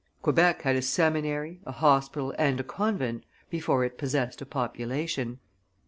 Quebec had a seminary, a hospital, and a convent, before it possessed a population.